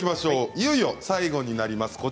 いよいよ最後になります。